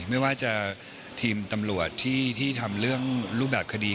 ไม่ว่าจะทีมตำรวจที่ทำเรื่องรูปแบบคดี